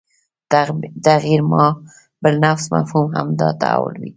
تغیر ما بالانفس مفهوم همدا تحول وي